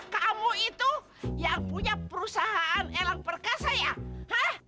kamu itu yang punya perusahaan elang perka saya